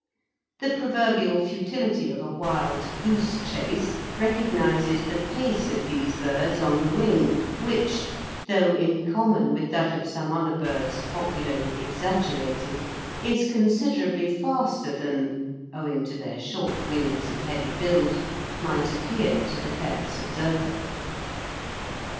The proverbial futility of a wild goose chase recognises the pace of these birds on the wing, which, though, in common with that of some other birds, popularly exaggerated, is considerably faster than, owing to their short wings and heavy build, might appear to the careless observer.